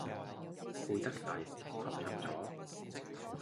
攰得滯，瞌着咗